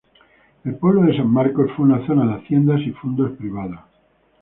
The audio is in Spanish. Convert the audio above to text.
El pueblo de San Marcos fue una zona de haciendas y fundos privados.